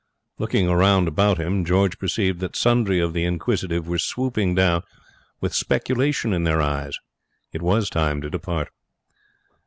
Looking round about him, George perceived that sundry of the inquisitive were swooping down, with speculation in their eyes. It was time to depart.